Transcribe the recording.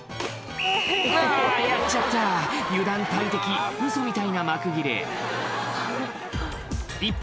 うわやっちゃった油断大敵ウソみたいな幕切れ一方